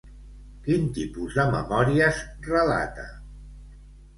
Quin tipus de memòries relata?